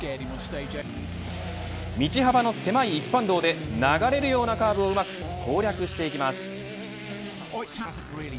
道幅の狭い一般道で流れるようなカーブをうまく攻略していきます。